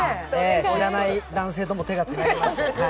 知らない男性とも手をつなぎました。